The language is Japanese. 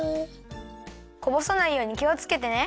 こぼさないようにきをつけてね。